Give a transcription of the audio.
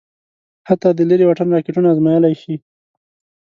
حتی د لېرې واټن راکېټونه ازمايلای شي.